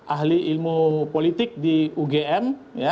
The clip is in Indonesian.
ahli ilmu politik di ugm